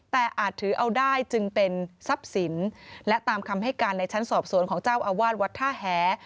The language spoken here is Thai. แต่อาจถือเอาได้จึงเป็นทรัพย์สินและตามคำให้การในชั้นสอบสวนของเจ้าอาวาสวัดท่าแห